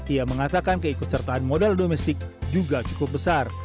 ia mengatakan keikutsertaan modal domestik juga cukup besar